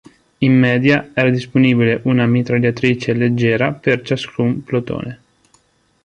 In media era disponibile una mitragliatrice leggera per ciascun plotone.